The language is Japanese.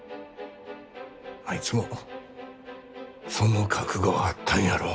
あいつもその覚悟はあったんやろ。